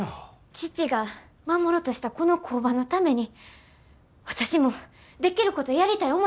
父が守ろうとしたこの工場のために私もできることやりたい思たんです。